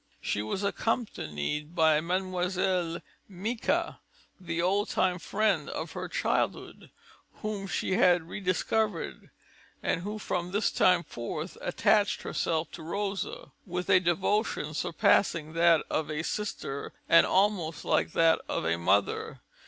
She was accompanied by Mlle. Micas, the old time friend of her childhood, whom she had rediscovered, and who from this time forth attached herself to Rosa with a devotion surpassing that of a sister, and almost like that of a mother.